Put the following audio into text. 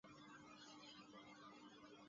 万历三十六年由知县陈一元主持重建。